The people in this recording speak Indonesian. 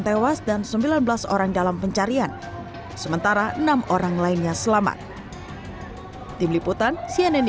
tewas dan sembilan belas orang dalam pencarian sementara enam orang lainnya selamat tim liputan cnn